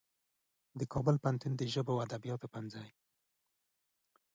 د کابل پوهنتون د ژبو او ادبیاتو پوهنځي